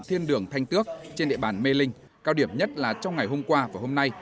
thiên đường thanh tước trên địa bàn mê linh cao điểm nhất là trong ngày hôm qua và hôm nay